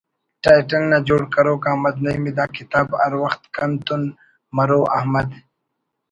ٹائٹل نا جوڑ کروک احمد نعیم ءِ دا کتاب ہر وخت کن تون مرو احمد